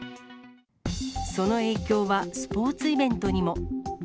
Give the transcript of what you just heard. その影響はスポーツイベントにも。